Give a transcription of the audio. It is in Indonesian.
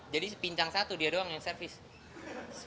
jadi pincang satu dia doang yang service